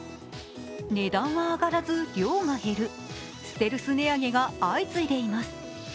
値段は上がらず量が減るステルス値上げが相次いでいます。